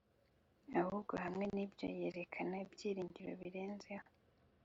ahubwo hamwe n'ibyo yerekana ibyiringiro birenzeho